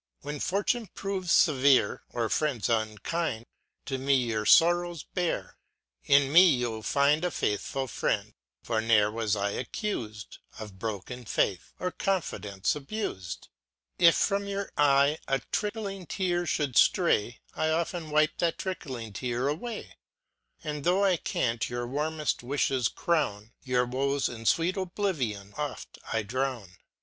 â When fortune proves fevere, or friends unkind. To me your forrows bear â in me you*Jl find A faithful friend â for ne'er was I accut'd Of broken faith, or confidence abus'd. If from your eye a trickling tear mould ftray, I often wipe that trickling tear away: And tho* I can't your warmeft wifhes crown, Your woes in fweet oblivion oft I drown.